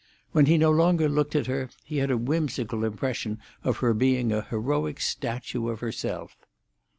When he no longer looked at her he had a whimsical impression of her being a heroic statue of herself.